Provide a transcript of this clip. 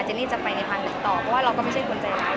เจนี่จะไปในพันธุ์หนึ่งต่อเพราะว่าเราก็ไม่ใช่คนใจมาก